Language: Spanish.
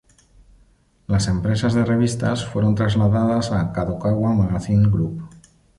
Las empresas de revistas fueron trasladadas a "Kadokawa Magazine Group".